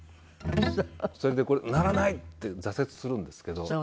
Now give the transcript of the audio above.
それでこれ鳴らないって挫折するんですけど。